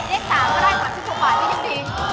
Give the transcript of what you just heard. เลข๓ก็ได้๓๖บาท